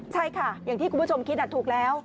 ใช่ค่ะอย่างที่คุณผู้ชมคิดถูกแล้ว